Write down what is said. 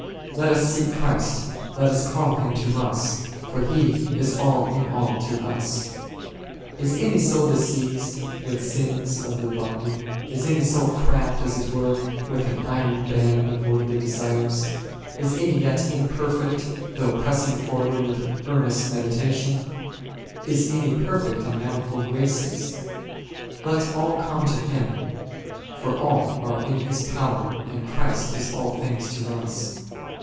Let us seek Christ, let us call Him to us, for He is all in all to us. Is any soul diseased with sins of the body ; is any soul cramped as it were with an iron i Cant. vi. 11. r Num. xvii. 18. 8 Cant. v. 1. I O o a 46 ©n ?^olg Ftrgtmtg band of worldly desire ; is any yet imperfect though pressing forward with earnest meditation ; is any per fect in manifold graces; let all come to Him, for all are in His power and Christ is all things to us.